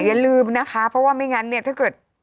อย่าลืมนะคะเพราะว่าไม่งั้นเนี่ยถ้าเกิด